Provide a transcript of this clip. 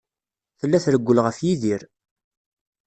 Tella trewwel ɣef Yidir.